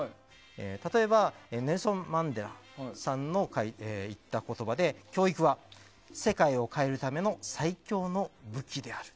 例えばネルソン・マンデラさんの言った言葉で教育は世界を変えるための最強の武器である。